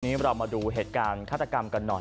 เรามาดูเหตุการณ์ฆาตกรรมกันหน่อย